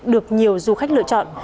được nhiều du khách lựa chọn